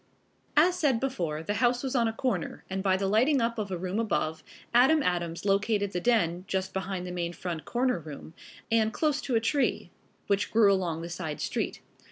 As said before, the house was on a corner, and by the lighting up of a room above, Adam Adams located the den, just behind the main front corner room, and close to a tree, which grew along the side street.